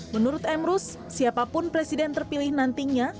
menurut emrus siapapun presiden terpilih nantinya